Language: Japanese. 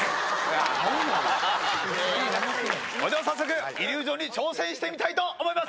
それでは早速、イリュージョンに挑戦してみたいと思います。